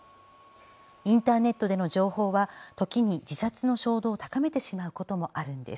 インターネットでの情報はときに自殺の衝動を高めてしまうこともあるんです。